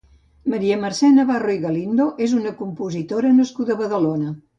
Maria Mercè Navarro i Galindo és una compositora nascuda a Badalona.